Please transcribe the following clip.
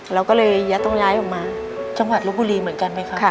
เราก็เลยต้องย้ายออกมาจังหวัดลบบุรีเหมือนกันไหมครับ